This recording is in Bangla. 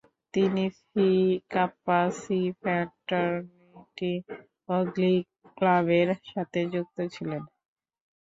তিনি ফি কাপ্পা সি ফ্র্যাটার্নিটি ও গ্লি ক্লাবের সাথে যুক্ত ছিলেন।